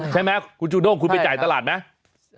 ใช่ไหมคุณจูด้งคุณไปจ่ายตลาดไหม